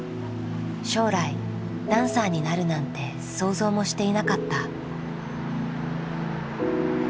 将来ダンサーになるなんて想像もしていなかった。